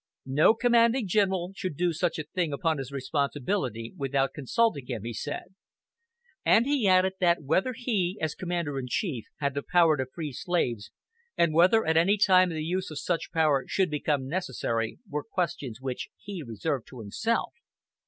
"No commanding general should do such a thing upon his responsibility, without consulting him," he said; and he added that whether he, as Commander in Chief, had the power to free slaves, and whether at any time the use of such power should become necessary, were questions which he reserved to himself.